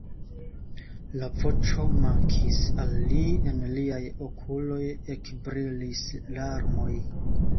La voĉo mankis al li, en liaj okuloj ekbrilis larmoj.